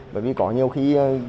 bởi vì có nhiều khi